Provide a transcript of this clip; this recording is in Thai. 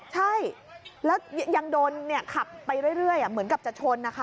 ใช่แล้วยังโดนขับไปเรื่อยเหมือนกับจะชนนะคะ